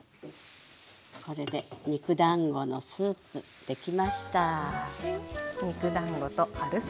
これで肉だんごのスープ出来ました。